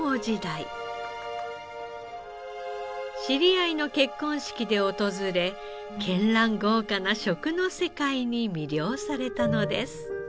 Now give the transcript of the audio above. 知り合いの結婚式で訪れ絢爛豪華な食の世界に魅了されたのです。